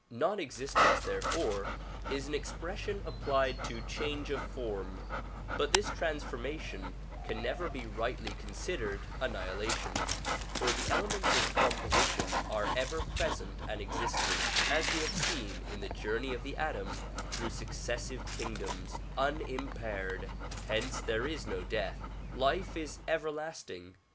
Non existence therefore is an expression applied to change of form, but this transformation can never be rightly considered annihilation, for the elements of composition are ever present and existent as we have seen in the journey of the atom through suc cessive kingdoms, unimpaired ; hence there is no death ; life is ever lasting.